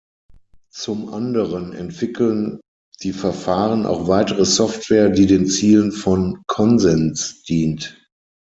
Zum anderen entwickeln die Verfahren auch weitere Software, die den Zielen von "Konsens" dient.